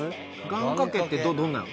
願掛けってどんなんやろ？